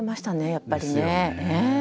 やっぱりね。